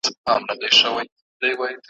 چارچاپیر دي زولنې دي ځنځیرونه